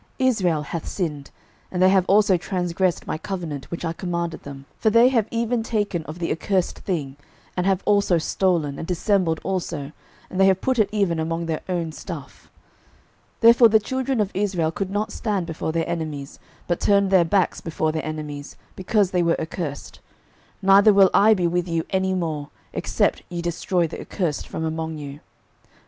06:007:011 Israel hath sinned, and they have also transgressed my covenant which I commanded them: for they have even taken of the accursed thing, and have also stolen, and dissembled also, and they have put it even among their own stuff. 06:007:012 Therefore the children of Israel could not stand before their enemies, but turned their backs before their enemies, because they were accursed: neither will I be with you any more, except ye destroy the accursed from among you.